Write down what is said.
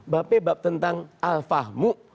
babnya bab tentang alfahmu